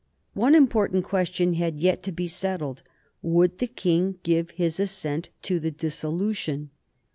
One important question had yet to be settled. Would the King give his assent to the dissolution?